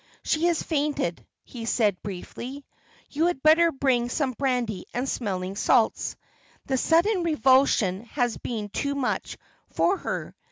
"She has fainted," he said, briefly. "You had better bring some brandy and smelling salts. The sudden revulsion has been too much for her."